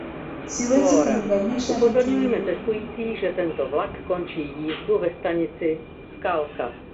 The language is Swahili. Siwezi kulinganisha vitu hivi